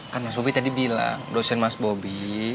kan mas bobi tadi bilang dosen mas bobi